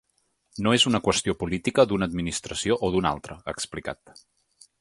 No és una qüestió política, d’una administració o d’una altra, ha explicat.